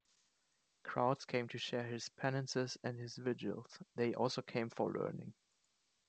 Crowds came to share his penances and his vigils; they also came for learning.